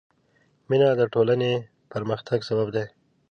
مینه د ټولنې پرمختګ سبب دی.